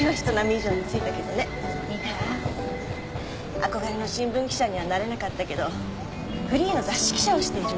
憧れの新聞記者にはなれなかったけどフリーの雑誌記者をしているの。